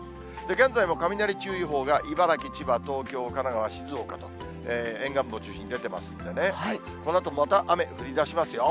現在も雷注意報が茨城、千葉、東京、神奈川、静岡の沿岸部を中心に出てますんでね、このあとまた雨降りだしますよ。